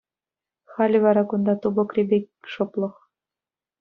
Халӗ вара кунта тупӑкри пек шӑплӑх.